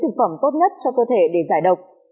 thực phẩm tốt nhất cho cơ thể để giải độc